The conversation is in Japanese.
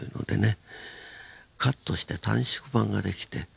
カットして短縮版が出来て。